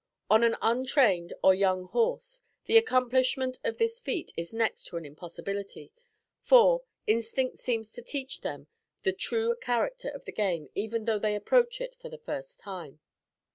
On an untrained or young horse the accomplishment of this feat is next to an impossibility; for, instinct seems to teach them the true character of the game even though they approach it for the first time.